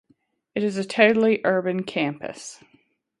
It is a totally urban campus.